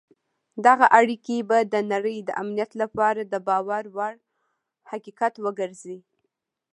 دغه اړیکي به د نړۍ د امنیت لپاره د باور وړ حقیقت وګرځي.